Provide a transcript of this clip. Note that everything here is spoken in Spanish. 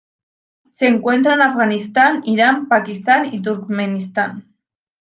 Se encuentra en Afganistán, Irán, Pakistán y Turkmenistán.